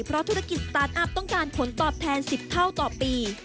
เพราะธุรกิจสตาร์ทอัพต้องการผลตอบแทน๑๐เท่าต่อปี